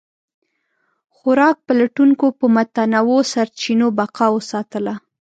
خوراک پلټونکو په متنوع سرچینو بقا وساتله.